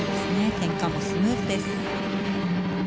転換もスムーズです。